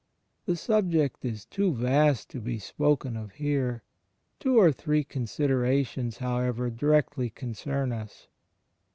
The subject is too vast to be spoken of here. Two or three considerations, however, directly concern us.